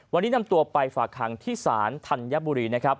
วันนี้นำตัวไปฝากหังที่ศาลธัญบุรีนะครับ